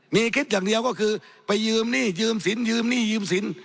มีคลิปอย่างเดียวก็คือไปยืมหนี้ยืมสินยืมหนี้ยืมสิน